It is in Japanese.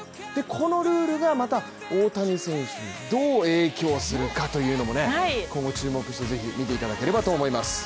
このルールがまた大谷選手にどう影響するかというのも今後注目してぜひ見ていただければと思います。